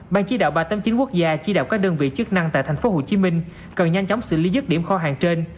ban chỉ đạo ba trăm tám mươi chín quốc gia chỉ đạo các đơn vị chức năng tại tp hcm cần nhanh chóng xử lý dứt điểm kho hàng trên